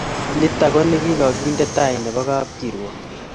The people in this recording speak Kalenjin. Nito konekikakinde tai nebo kapkirwok